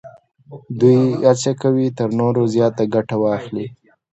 دوی هڅه کوي تر نورو زیاته ګټه واخلي